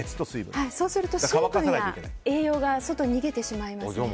そうすると、水分や栄養が外に逃げてしまいますね。